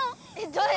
どれ？